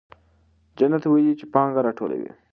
جینت ویلي چې پانګه راټولوي.